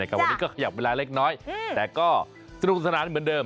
วันนี้ก็ขยับเวลาเล็กน้อยแต่ก็สนุกสนานเหมือนเดิม